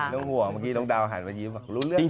ห่วงเมื่อกี้น้องดาวหันมายิ้มบอกรู้เรื่องจริง